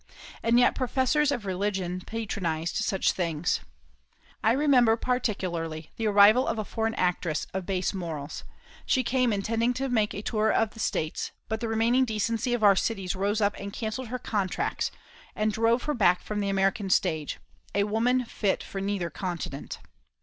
And yet professors of religion patronised such things. I remember particularly the arrival of a foreign actress of base morals. She came intending to make a tour of the States, but the remaining decency of our cities rose up and cancelled her contracts, and drove her back from the American stage, a woman fit for neither continent.